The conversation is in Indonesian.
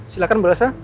silahkan bu elsa